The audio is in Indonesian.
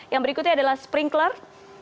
yang berikutnya adalah sprinkler